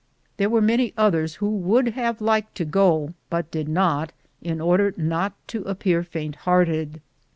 There were many others who would have liked to go, but did not, in order not to ap pear faint hearted.